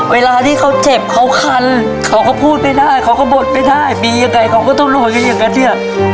เวลาที่เขาเจ็บเขาคันเขาก็พูดไม่ได้เขาก็บดไม่ได้มียังไงเขาก็ต้องรออยู่อย่างนั้นเนี่ย